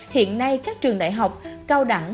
hiện nay các trường đại học cao đẳng